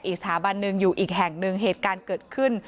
อีกสถาบันหนึ่งอยู่อีกแห่งหนึ่งเหตุการณ์เกิดขึ้น